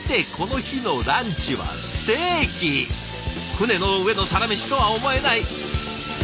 船の上のサラメシとは思えない。